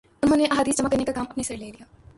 انہوں نے احادیث جمع کرنے کا کام اپنے سر لے لیا